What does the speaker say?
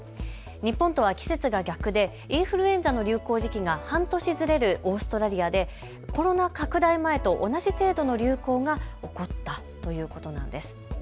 日本とは季節が逆でインフルエンザの流行時期が半年ずれるオーストラリアでコロナ拡大前と同じ程度の流行が起こったということなんです。